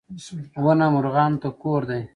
• ونه مرغانو ته کور دی.